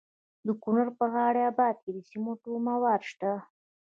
د کونړ په غازي اباد کې د سمنټو مواد شته.